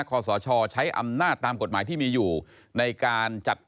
ขอสชใช้อำนาจตามกฎหมายที่มีอยู่ในการจัด